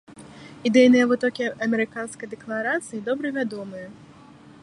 Ідэйныя вытокі амерыканскай дэкларацыі добра вядомыя.